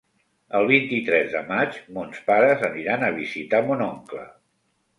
El vint-i-tres de maig mons pares aniran a visitar mon oncle.